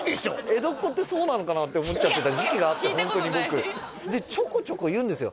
江戸っ子ってそうなのかなって思っちゃってた時期があってホントに僕でちょくちょく言うんですよ